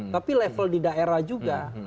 tapi level di daerah juga